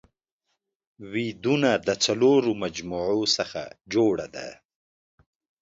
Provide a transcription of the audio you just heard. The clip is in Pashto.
ويدونه د څلورو مجموعو څخه جوړه ده